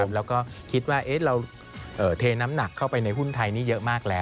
แล้วก็คิดว่าทีนี้เทน้ำหนักเข้าไปในหุ้นไทยนะครับ